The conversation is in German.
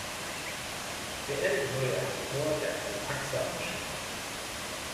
Beerdigt wurde er am Tor der Al-Aqsa-Moschee.